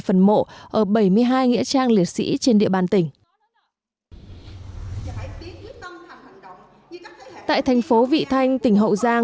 hai phần mộ ở bảy mươi hai nghĩa trang liệt sĩ trên địa bàn tỉnh tại thành phố vị thanh tỉnh hậu giang